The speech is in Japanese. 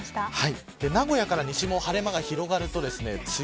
名古屋から西も晴れ間が広がるとですね